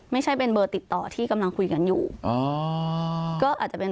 ไม่ใช่เป็นเบอร์ติดต่อที่กำลังคุยกันอยู่อ๋อก็อาจจะเป็น